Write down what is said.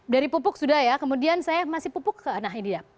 dari pupuk sudah ya kemudian saya masih pupuk ke nah ini dia